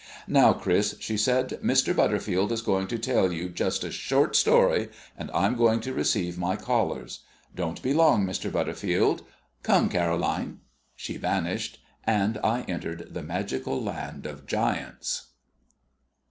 "Now, Chris," she said, "Mr. Butterfield is going to tell you just a short story, and I'm going to receive my callers. Don't be long, Mr. Butterfield. Come, Caroline." She vanished, and I entered the magic land of giants.